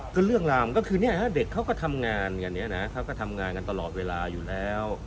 ก็เรื่องราวมันก็คือเนี่ยฮะเด็กเขาก็ทำงานกันเนี่ยนะเขาก็ทำงานกันตลอดเวลาอยู่แล้ว